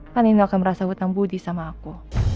pak nino akan merasa hutang budi sama aku